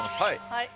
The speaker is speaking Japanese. はい